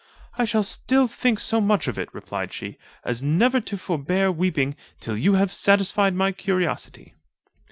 "I shall still think so much of it," replied she, "as never to forbear weeping till you have satisfied my curiosity."